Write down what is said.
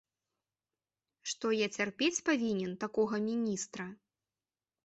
Што я цярпець павінен такога міністра?